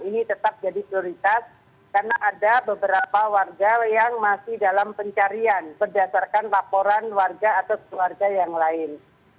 ini tetap jadi prioritas karena ada beberapa warga yang masih dalam pencarian berdasarkan laporan warga atau keluarga yang lain